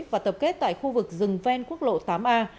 và tập kết tại khu vực rừng ven quốc lộ tám a